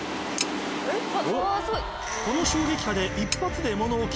この衝撃波で一発で。